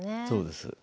そうです。